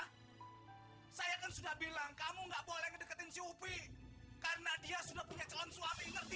hai saya sudah bilang kamu enggak boleh deketin supi karena dia sudah punya calon suami ngerti